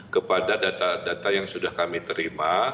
kepada data data yang sudah kami terima